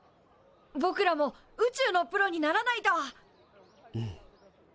ぼくらも宇宙のプロにならないと！